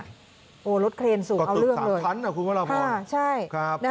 ก็ถึงสามพันนะครูบัลบ้าน